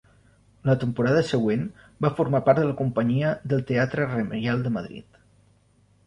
La temporada següent va formar part de la companyia del Teatre Reial de Madrid.